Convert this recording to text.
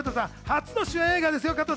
初の主演映画ですよ。